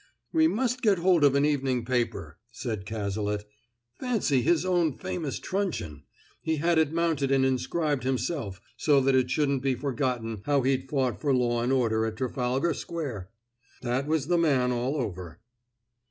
"We must get hold of an evening paper," said Cazalet. "Fancy his own famous truncheon! He had it mounted and inscribed himself, so that it shouldn't be forgotten how he'd fought for law and order at Trafalgar Square! That was the man all over!"